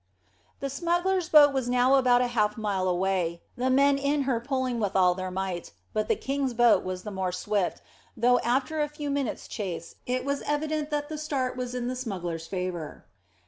The smugglers' boat was now about half a mile away, the men in her pulling with all their might, but the King's boat was the more swift, though after a few minutes' chase it was evident that the start was in the smugglers' favour.